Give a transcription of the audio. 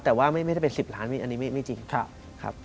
แต่ว่าไม่ได้เป็น๑๐ล้านอันนี้ไม่จริงครับ